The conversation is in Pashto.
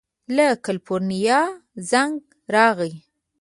له کلیفورنیا زنګ راغی.